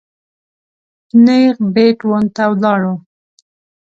نېغ بېټ ون ته ولاړو.